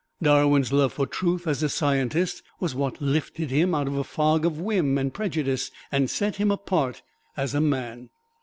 Darwin's love for truth as a scientist was what lifted him out of the fog of whim and prejudice and set him apart as a man.